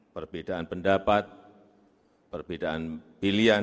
perbedaan pendapat perbedaan pilihan